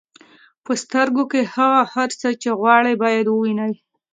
په سترګو کې هغه هر څه چې غواړئ باید ووینئ.